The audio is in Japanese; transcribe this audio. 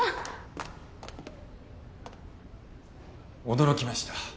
驚きました。